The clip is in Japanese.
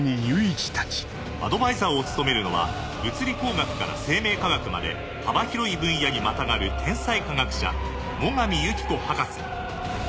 アドバイザーを務めるのは物理法学から生命科学まで幅広い分野にまたがる天才科学者最上友紀子博士。